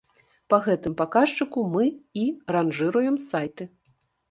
Па гэтым паказчыку мы і ранжыруем сайты.